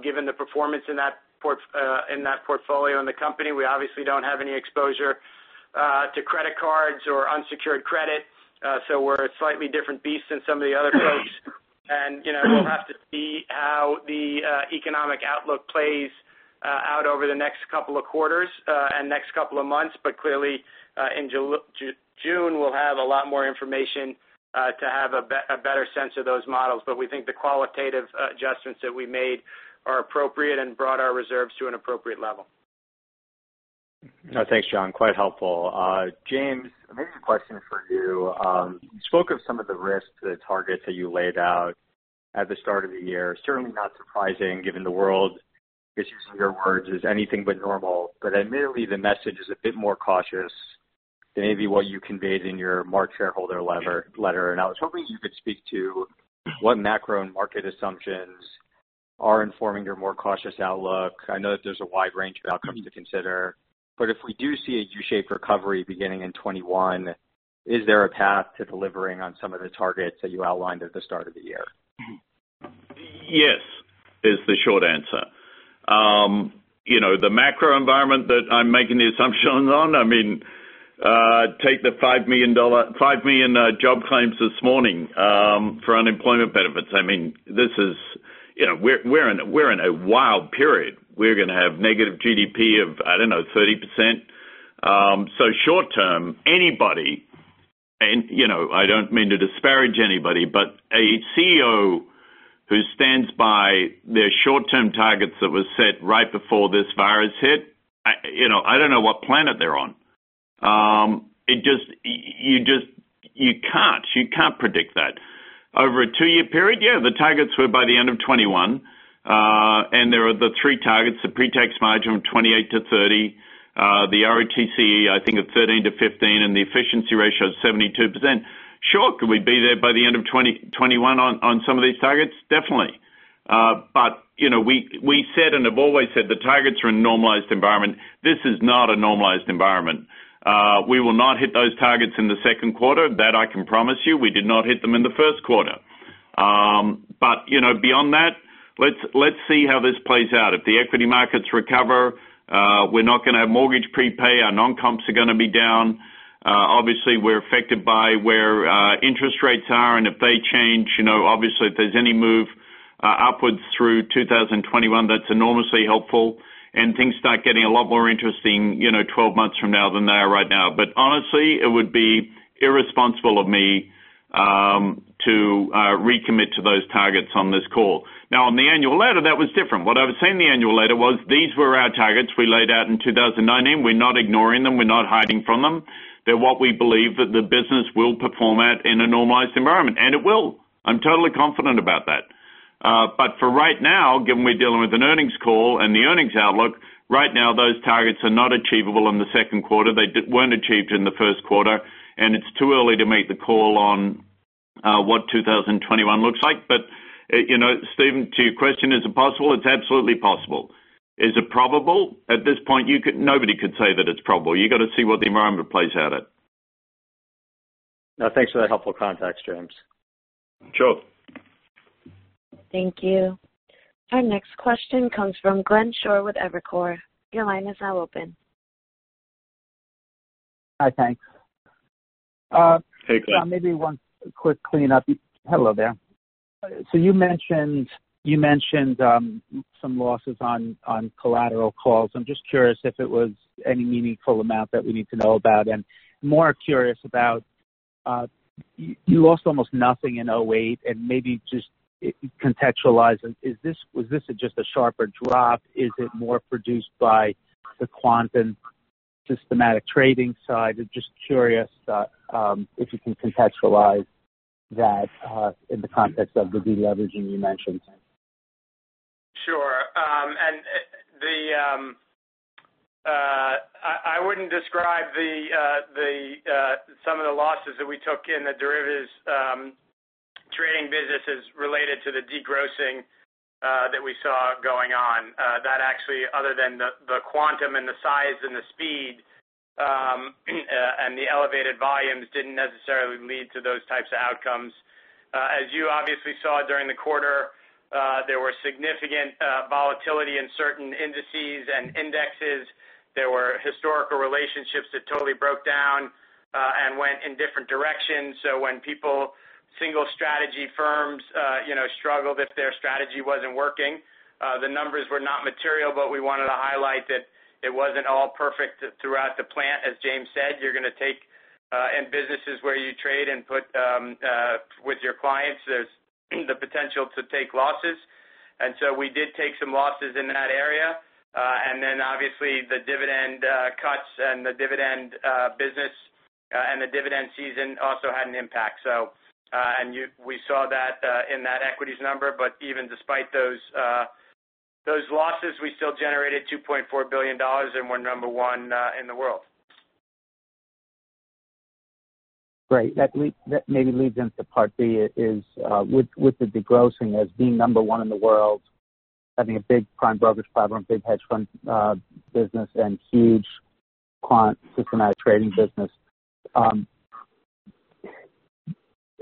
given the performance in that portfolio in the company. We obviously don't have any exposure to credit cards or unsecured credit. We're a slightly different beast than some of the other folks. We'll have to see how the economic outlook plays out over the next couple of quarters and next couple of months. Clearly, in June, we'll have a lot more information to have a better sense of those models. We think the qualitative adjustments that we made are appropriate and brought our reserves to an appropriate level. Thanks, Jon. Quite helpful. James, maybe a question for you. You spoke of some of the risks to the targets that you laid out at the start of the year. Certainly not surprising given the world, using your words, is anything but normal. Admittedly, the message is a bit more cautious than maybe what you conveyed in your March shareholder letter. I was hoping you could speak to what macro and market assumptions are informing your more cautious outlook. I know that there's a wide range of outcomes to consider, but if we do see a U-shaped recovery beginning in 2021, is there a path to delivering on some of the targets that you outlined at the start of the year? Yes, is the short answer. The macro environment that I'm making the assumptions on, take the 5 million job claims this morning for unemployment benefits. We're in a wild period. We're going to have negative GDP of, I don't know, 30%. Short term, anybody, and I don't mean to disparage anybody, but a CEO who stands by their short-term targets that were set right before this virus hit, I don't know what planet they're on. You can't predict that. Over a two-year period, yeah, the targets were by the end of 2021. There are the three targets, the pre-tax margin of 28%-30%, the ROTCE, I think at 13%-15%, and the efficiency ratio is 72%. Sure. Could we be there by the end of 2021 on some of these targets? Definitely. We said and have always said the targets are in a normalized environment. This is not a normalized environment. We will not hit those targets in the second quarter. That I can promise you. We did not hit them in the first quarter. Beyond that, let's see how this plays out. If the equity markets recover, we're not going to have mortgage prepay. Our non-comps are going to be down. Obviously, we're affected by where interest rates are and if they change. Obviously, if there's any move upwards through 2021, that's enormously helpful. Things start getting a lot more interesting 12 months from now than they are right now. Honestly, it would be irresponsible of me to recommit to those targets on this call. Now, on the annual letter, that was different. What I was saying in the annual letter was these were our targets we laid out in 2019. We're not ignoring them. We're not hiding from them. They're what we believe that the business will perform at in a normalized environment. It will. I'm totally confident about that. For right now, given we're dealing with an earnings call and the earnings outlook, right now those targets are not achievable in the second quarter. They weren't achieved in the first quarter, and it's too early to make the call on what 2021 looks like. Steven, to your question, is it possible? It's absolutely possible. Is it probable? At this point, nobody could say that it's probable. You got to see what the environment plays out at. Thanks for that helpful context, James. Sure. Thank you. Our next question comes from Glenn Schorr with Evercore. Your line is now open. Hi, thanks. Hey, Glenn. Jon, maybe one quick cleanup. Hello there. You mentioned some losses on collateral calls. I'm just curious if it was any meaningful amount that we need to know about. More curious about, you lost almost nothing in 2008, and maybe just contextualize, was this just a sharper drop? Is it more produced by the quant and systematic trading side? I'm just curious if you can contextualize that in the context of the de-leveraging you mentioned. Sure. I wouldn't describe some of the losses that we took in the derivatives trading businesses related to the degrossing that we saw going on. Actually, other than the quantum and the size and the speed and the elevated volumes, didn't necessarily lead to those types of outcomes. As you obviously saw during the quarter, there were significant volatility in certain indices. There were historical relationships that totally broke down and went in different directions. When single strategy firms struggled if their strategy wasn't working. The numbers were not material, but we wanted to highlight that it wasn't all perfect throughout the plan. As James said, in businesses where you trade and put with your clients, there's the potential to take losses. We did take some losses in that area. Obviously the dividend cuts and the dividend business and the dividend season also had an impact. We saw that in that equities number. Even despite those losses, we still generated $2.4 billion, and we're number 1 in the world. Great. That maybe leads into part B is with the degrossing as being number 1 in the world, having a big prime brokerage platform, big hedge fund business, and huge quant systematic trading business,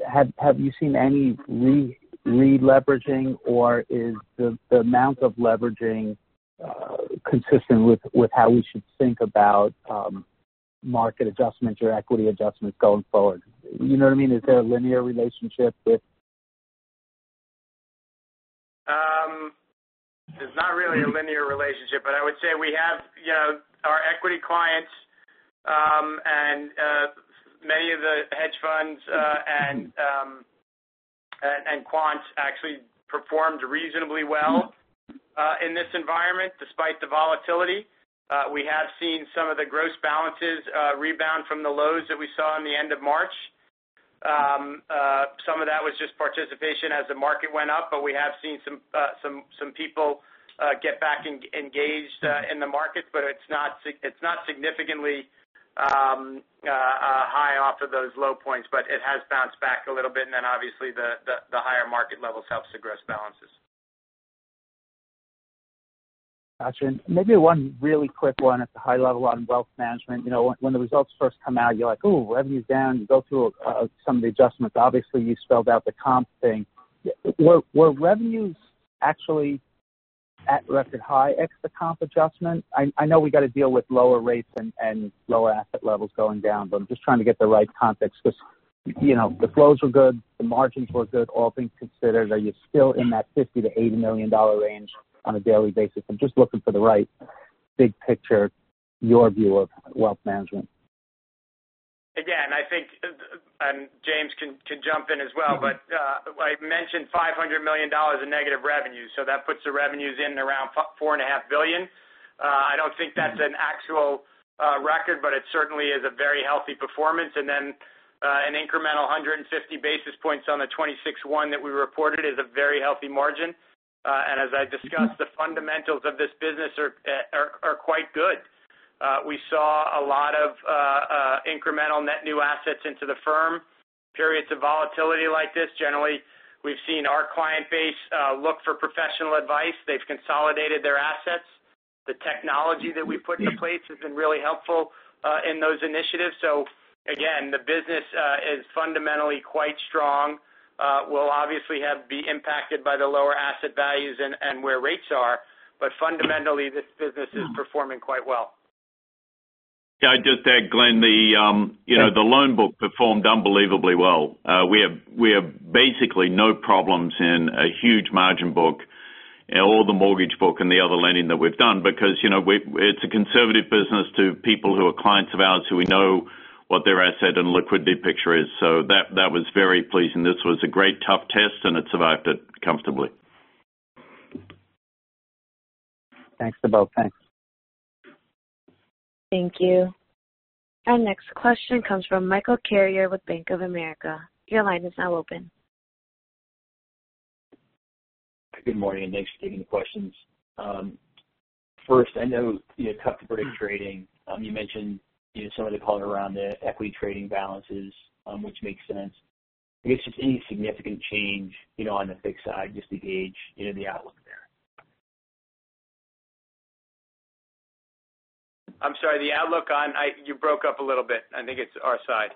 have you seen any releveraging, or is the amount of leveraging consistent with how we should think about market adjustments or equity adjustments going forward? You know what I mean? There's not really a linear relationship, but I would say we have our equity clients and many of the hedge funds and quants actually performed reasonably well in this environment, despite the volatility. We have seen some of the gross balances rebound from the lows that we saw in the end of March. Some of that was just participation as the market went up, but we have seen some people get back engaged in the market. It's not significantly high off of those low points, but it has bounced back a little bit. Obviously the higher market levels helps the gross balances. Got you. Maybe one really quick one at the high level on wealth management. When the results first come out, you're like, "Ooh, revenue's down." You go through some of the adjustments. Obviously, you spelled out the comp thing. Were revenues actually at record high ex the comp adjustment? I know we got to deal with lower rates and lower asset levels going down, but I'm just trying to get the right context because the flows were good, the margins were good. All things considered, are you still in that $50 million-$80 million range on a daily basis? I'm just looking for the right big picture, your view of wealth management. Again, I think, James can jump in as well. I mentioned $500 million in negative revenue, that puts the revenues in around $4.5 billion. I don't think that's an actual record, it certainly is a very healthy performance. An incremental 150 basis points on the 26.1 that we reported is a very healthy margin. As I discussed, the fundamentals of this business are quite good. We saw a lot of incremental net new assets into the firm. Periods of volatility like this, generally, we've seen our client base look for professional advice. They've consolidated their assets. The technology that we've put in place has been really helpful in those initiatives. Again, the business is fundamentally quite strong. We'll obviously be impacted by the lower asset values and where rates are, fundamentally, this business is performing quite well. Can I just add, Glenn, the loan book performed unbelievably well. We have basically no problems in a huge margin book or the mortgage book and the other lending that we've done because it's a conservative business to people who are clients of ours who we know what their asset and liquidity picture is. That was very pleasing. This was a great tough test, and it survived it comfortably. Thanks to both. Thanks. Thank you. Our next question comes from Michael Carrier with Bank of America. Your line is now open. Good morning. Thanks for taking the questions. First, I know you had cut to bridge trading. You mentioned some of the color around the equity trading balances, which makes sense. I guess just any significant change on the fixed side, just to gauge the outlook there. I'm sorry, the outlook on You broke up a little bit. I think it's our side.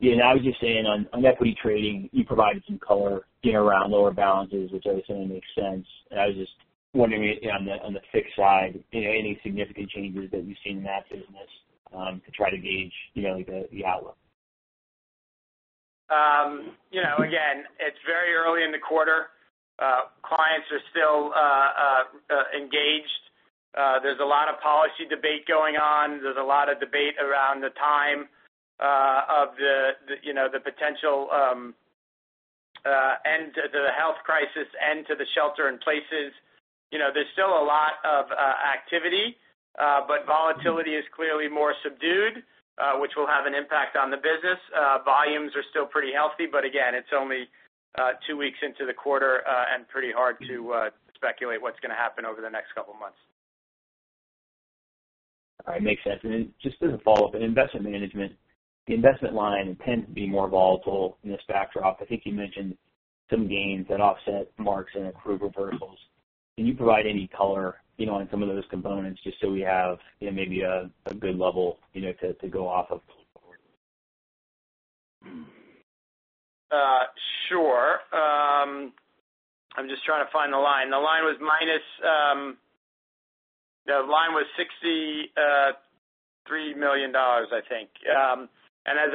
Yeah, I was just saying on equity trading, you provided some color around lower balances, which I was saying makes sense. I was just wondering on the fixed side, any significant changes that you've seen in that business to try to gauge the outlook. Again, it's very early in the quarter. Clients are still engaged. There's a lot of policy debate going on. There's a lot of debate around the time of the potential end to the health crisis, end to the shelter in places. There's still a lot of activity, but volatility is clearly more subdued, which will have an impact on the business. Volumes are still pretty healthy, but again, it's only two weeks into the quarter and pretty hard to speculate what's going to happen over the next couple of months. All right. Makes sense. Just as a follow-up, in investment management, the investment line tends to be more volatile in this backdrop. I think you mentioned some gains that offset marks and accrete reversals. Can you provide any color on some of those components, just so we have maybe a good level to go off of going forward? Sure. I'm just trying to find the line. The line was $63 million, I think. As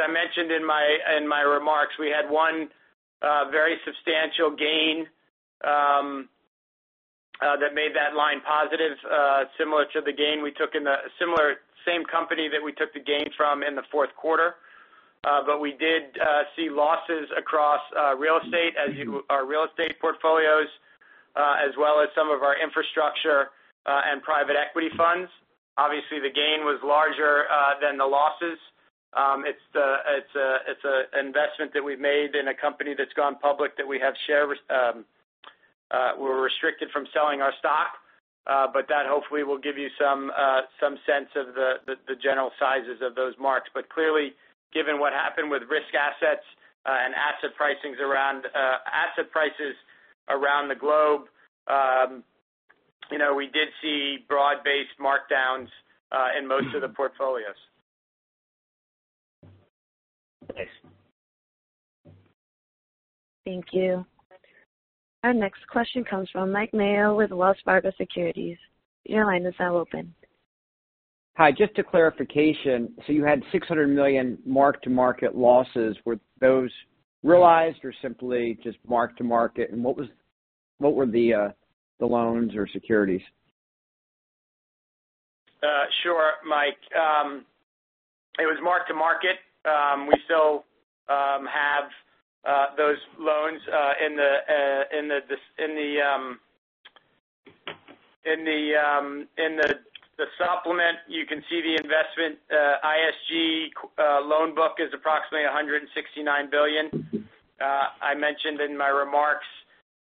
I mentioned in my remarks, we had one very substantial gain that made that line positive, same company that we took the gain from in the fourth quarter. We did see losses across our real estate portfolios as well as some of our infrastructure and private equity funds. Obviously, the gain was larger than the losses. It's an investment that we've made in a company that's gone public that we're restricted from selling our stock. That hopefully will give you some sense of the general sizes of those marks. Clearly, given what happened with risk assets and asset prices around the globe, we did see broad-based markdowns in most of the portfolios. Thanks. Thank you. Our next question comes from Mike Mayo with Wells Fargo Securities. Your line is now open. Hi, just a clarification. You had $600 million mark-to-market losses. Were those realized or simply just mark-to-market, and what were the loans or securities? Sure, Mike. It was mark-to-market. We still have those loans. In the supplement, you can see the investment ISG loan book is approximately $169 billion. I mentioned in my remarks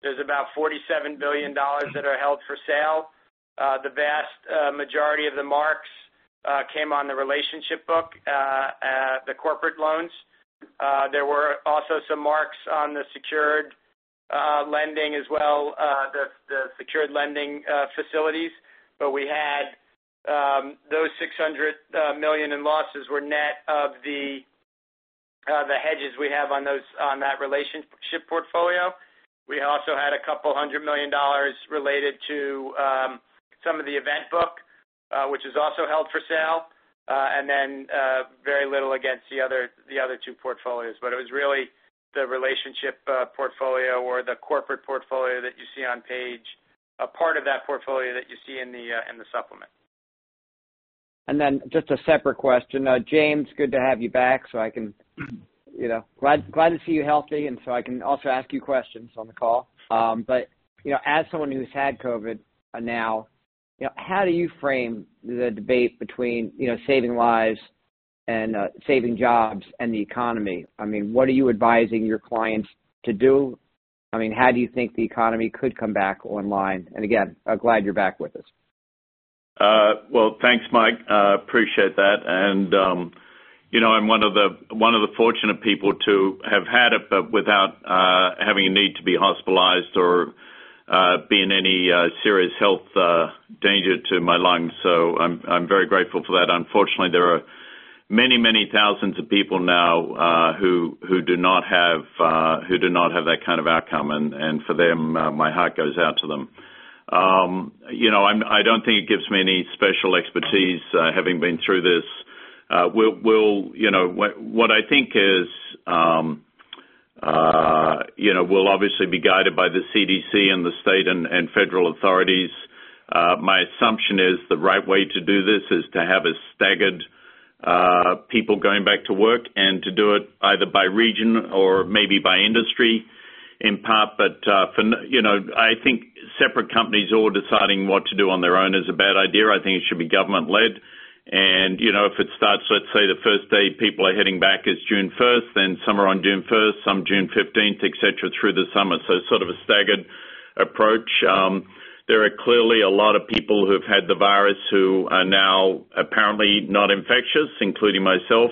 there's about $47 billion that are held for sale. The vast majority of the marks came on the relationship book, the corporate loans. There were also some marks on the secured lending as well, the secured lending facilities. We had those $600 million in losses were net of the hedges we have on that relationship portfolio. We also had $200 million related to some of the event book which is also held for sale. Very little against the other two portfolios. It was really the relationship portfolio or the corporate portfolio that you see on page, a part of that portfolio that you see in the supplement. Then just a separate question. James, good to have you back. Glad to see you healthy, and so I can also ask you questions on the call. As someone who's had COVID-19 now, how do you frame the debate between saving lives and saving jobs and the economy? I mean, what are you advising your clients to do? I mean, how do you think the economy could come back online? Again, glad you're back with us. Well, thanks, Mike. Appreciate that. I'm one of the fortunate people to have had it but without having a need to be hospitalized or be in any serious health danger to my lungs. I'm very grateful for that. Unfortunately, there are many thousands of people now who do not have that kind of outcome. For them my heart goes out to them. I don't think it gives me any special expertise having been through this. What I think is we'll obviously be guided by the CDC and the state and federal authorities. My assumption is the right way to do this is to have a staggered people going back to work and to do it either by region or maybe by industry in part. I think separate companies all deciding what to do on their own is a bad idea. I think it should be government-led. If it starts, let's say the first day people are heading back is June 1st, then some are on June 1st, some June 15th, et cetera, through the summer. Sort of a staggered approach. There are clearly a lot of people who've had the virus who are now apparently not infectious, including myself.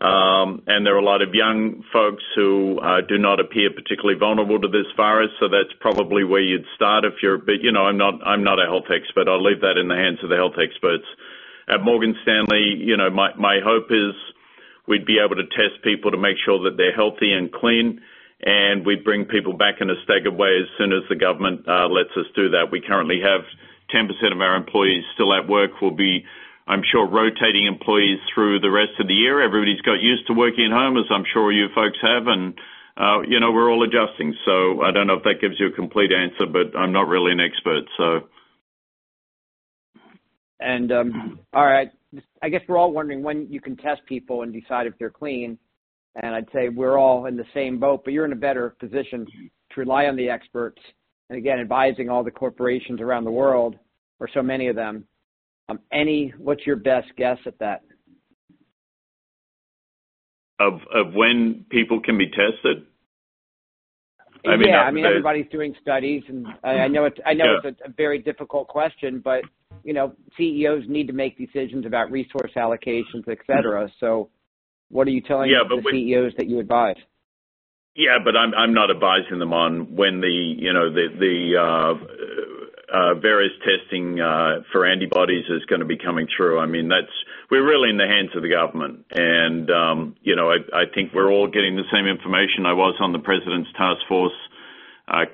There are a lot of young folks who do not appear particularly vulnerable to this virus, so that's probably where you'd start. I'm not a health expert. I'll leave that in the hands of the health experts. At Morgan Stanley, my hope is we be able to test people to make sure that they're healthy and clean, and we bring people back in a staggered way as soon as the government lets us do that. We currently have 10% of our employees still at work. We'll be, I'm sure, rotating employees through the rest of the year. Everybody's got used to working at home, as I'm sure you folks have, and we're all adjusting. I don't know if that gives you a complete answer, but I'm not really an expert. All right. I guess we're all wondering when you can test people and decide if they're clean, and I'd say we're all in the same boat, but you're in a better position to rely on the experts. Again, advising all the corporations around the world, or so many of them. What's your best guess at that? Of when people can be tested? Yeah. I mean, everybody's doing studies, and I know it's a very difficult question, but CEOs need to make decisions about resource allocations, et cetera. What are you telling the CEOs that you advise? Yeah, I'm not advising them on when the various testing for antibodies is going to be coming through. I mean, we're really in the hands of the government. I think we're all getting the same information. I was on the president's task force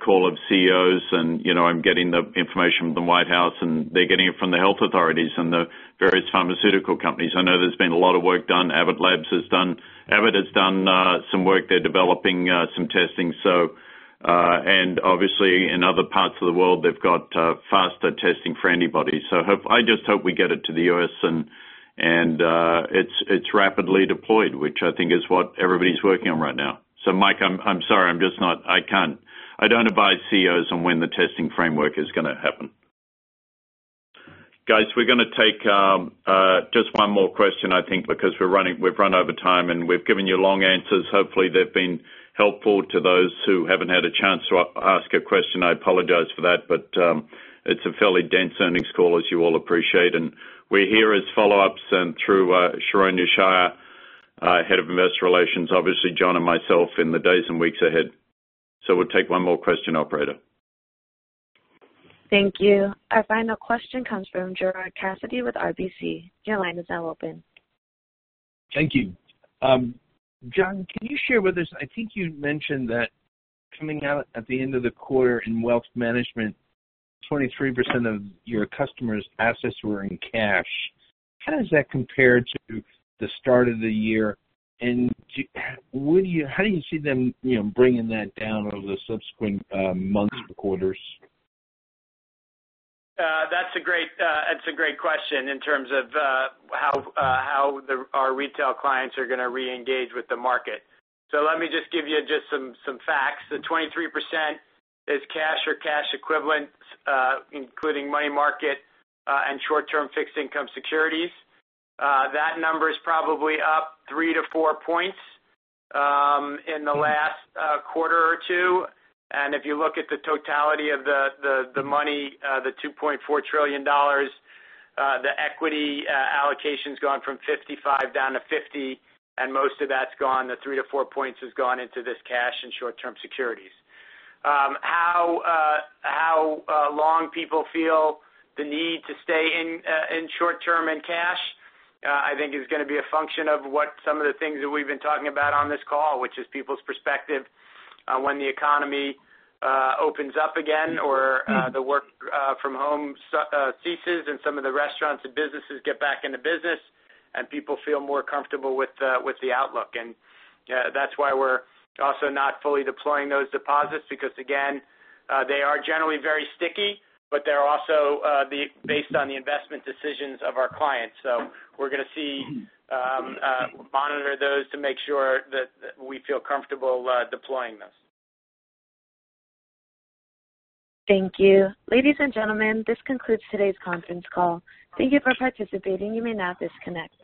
call of CEOs, and I'm getting the information from the White House, and they're getting it from the health authorities and the various pharmaceutical companies. I know there's been a lot of work done. Abbott has done some work. They're developing some testing. Obviously in other parts of the world, they've got faster testing for antibodies. I just hope we get it to the U.S. and it's rapidly deployed, which I think is what everybody's working on right now. Mike, I'm sorry, I can't. I don't advise CEOs on when the testing framework is going to happen. Guys, we're going to take just one more question, I think, because we've run over time. We've given you long answers. Hopefully, they've been helpful to those who haven't had a chance to ask a question. I apologize for that. It's a fairly dense earnings call as you all appreciate. We're here as follow-ups and through Sharon Yeshaya, Head of Investor Relations, obviously Jon and myself in the days and weeks ahead. We'll take one more question, operator. Thank you. Our final question comes from Gerard Cassidy with RBC. Your line is now open. Thank you. Jon, can you share with us, I think you'd mentioned that coming out at the end of the quarter in wealth management, 23% of your customers' assets were in cash? How does that compare to the start of the year? How do you see them bringing that down over the subsequent months or quarters? That's a great question in terms of how our retail clients are going to reengage with the market. Let me just give you just some facts. The 23% is cash or cash equivalents, including money market, and short-term fixed income securities. That number is probably up three-four points in the last quarter or two. If you look at the totality of the money, the $2.4 trillion, the equity allocation's gone from 55% down to 50%, and most of that's gone, the three-four points has gone into this cash and short-term securities. How long people feel the need to stay in short-term and cash, I think is going to be a function of what some of the things that we've been talking about on this call, which is people's perspective when the economy opens up again or the work from home ceases, and some of the restaurants and businesses get back into business and people feel more comfortable with the outlook. That's why we're also not fully deploying those deposits because again, they are generally very sticky, but they're also based on the investment decisions of our clients. We're going to see, monitor those to make sure that we feel comfortable deploying those. Thank you. Ladies and gentlemen, this concludes today's conference call. Thank you for participating. You may now disconnect.